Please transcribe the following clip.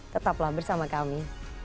tetaplah bersama kami